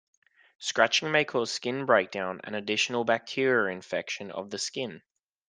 Scratching may cause skin breakdown and an additional bacterial infection of the skin.